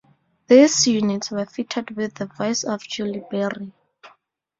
These units were fitted with the voice of Julie Berry.